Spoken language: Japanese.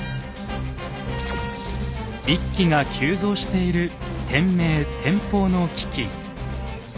一揆が急増している天明・天保の飢饉。